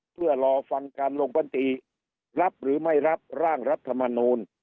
เพื่อรอฟังการลงบันติรับหรือไม่รับร่างรัฐมนูล